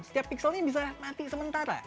setiap pixelnya bisa mati sementara